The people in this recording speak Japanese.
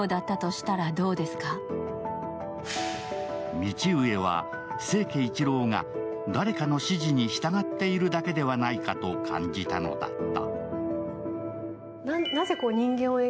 道上は清家一郎が誰かの指示に従っているだけなのではないかと感じたのだった。